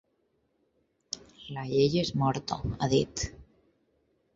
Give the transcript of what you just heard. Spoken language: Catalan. La llei és morta, ha dit.